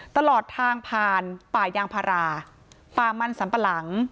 ตลอดทางผ่านป่ายางพาราป่ามันสัมปะหลัง